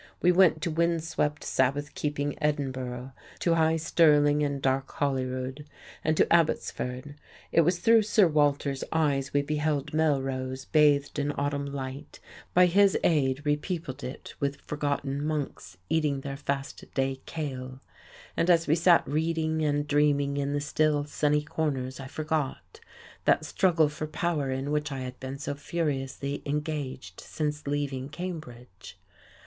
We went to windswept, Sabbath keeping Edinburgh, to high Stirling and dark Holyrood, and to Abbotsford. It was through Sir Walter's eyes we beheld Melrose bathed in autumn light, by his aid repeopled it with forgotten monks eating their fast day kale. And as we sat reading and dreaming in the still, sunny corners I forgot, that struggle for power in which I had been so furiously engaged since leaving Cambridge.